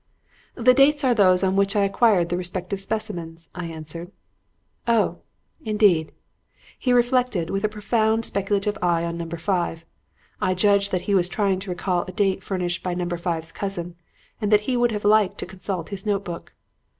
"'The dates are those on which I acquired the respective specimens,' I answered. "'Oh, indeed.' He reflected, with a profoundly speculative eye on Number Five. I judged that he was trying to recall a date furnished by Number Five's cousin and that he would have liked to consult his note book.